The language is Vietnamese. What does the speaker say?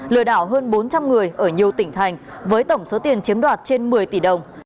lừa đảo hơn bốn trăm linh người ở nhiều tỉnh thành với tổng số tiền chiếm đoạt trên một mươi tỷ đồng